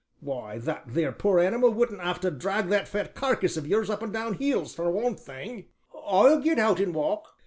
"Why, that there poor animal wouldn't have to drag that fat carkiss of yours up and down hills, for one thing." "I'll get out and walk."